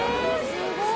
すごい！